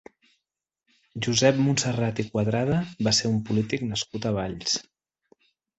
Josep Montserrat i Cuadrada va ser un polític nascut a Valls.